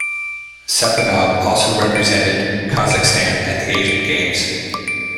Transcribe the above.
Sapunov also represented Kazakhstan at the Asian Games.